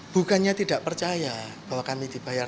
bukannya tidak percaya bahwa kami dibayar